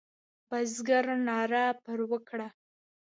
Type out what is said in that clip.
بزګر ناره پر وکړه.